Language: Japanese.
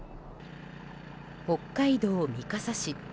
北海道三笠市。